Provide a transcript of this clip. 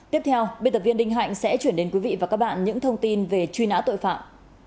tiếp theo biên tập viên đinh hạnh sẽ chuyển đến quý vị và các bạn những thông tin về truy nã tội phạm